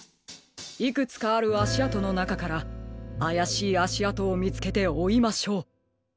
いくつかあるあしあとのなかからあやしいあしあとをみつけておいましょう。